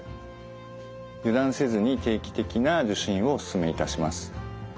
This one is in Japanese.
油断せずに定期的な受診をお勧めいたします。